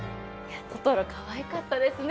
トトロかわいかったですね